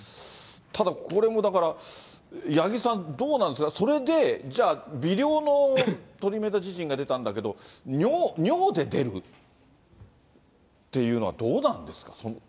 ただこれもだから、八木さん、どうなんですか、それで、じゃあ、微量のトリメタジジンが出たんだけど、尿で出るっていうのはどうなんですか。